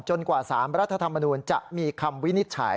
กว่า๓รัฐธรรมนูลจะมีคำวินิจฉัย